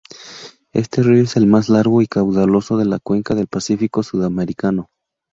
Este río es el más largo y caudaloso de la cuenca del Pacífico sudamericano.